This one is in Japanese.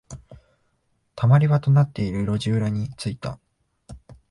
溜まり場となっている路地裏に着いた。